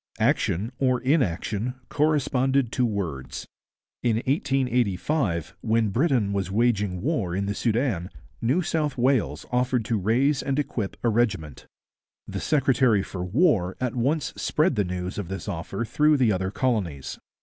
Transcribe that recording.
Action, or inaction, corresponded to words. In 1885, when Britain was waging war in the Soudan, New South Wales offered to raise and equip a regiment. The secretary for war at once spread the news of this offer through the other colonies.